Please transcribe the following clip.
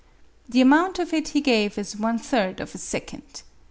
The amount of it he gave as one third of a second.